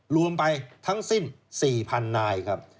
รวมไปทั้งสิ้น๔๐๐นายครับ